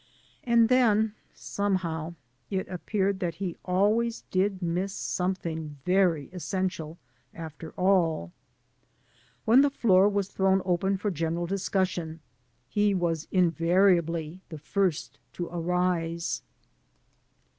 And then, somehow, it appeared that he always did miss something very essential, after all. When the floor was thrown open for general discussion he was invariably the first to 156 THE SOUL OF THE GHETTO arise.